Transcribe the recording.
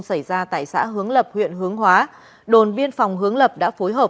xảy ra tại xã hướng lập huyện hướng hóa đồn biên phòng hướng lập đã phối hợp